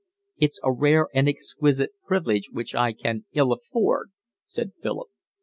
"It's a rare and exquisite privilege which I can ill afford," said Philip.